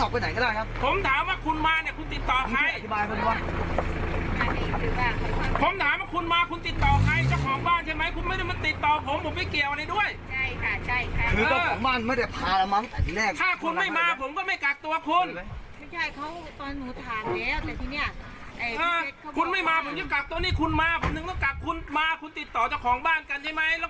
ผมถึงต้องกักคุณมาคุณติดต่อเจ้าของบ้านกันใช่ไหมแล้ว